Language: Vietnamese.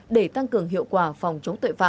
để tăng cường hiệu quả phòng chống tuệ